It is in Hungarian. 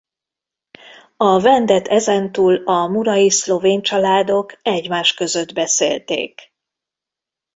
A vendet ezentúl a murai szlovén családok egymás között beszélték.